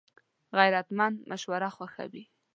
غیرتمند مشوره خوښوي